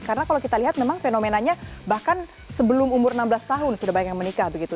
karena kalau kita lihat memang fenomenanya bahkan sebelum umur enam belas tahun sudah banyak yang menikah begitu